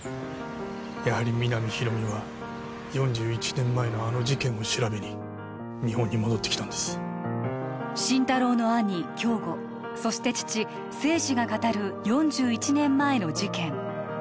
やはり皆実広見は４１年前のあの事件を調べに日本に戻ってきたんです心太朗の兄・京吾そして父・清二が語る４１年前の事件